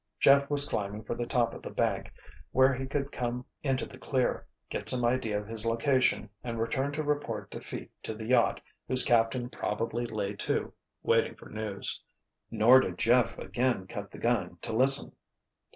Jeff was climbing for the top of the bank, where he could come into the clear, get some idea of his location and return to report defeat to the yacht whose captain probably lay to, waiting for news. Nor did Jeff again cut the gun to listen.